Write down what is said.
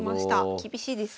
厳しいですね。